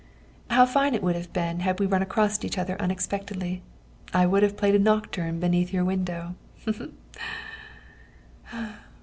"How fine it would have been had we run across each other unexpectedly. I would have played a nocturne beneath your window.